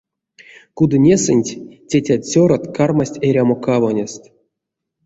Кудынесэнть тетят-цёрат кармасть эрямо кавонест.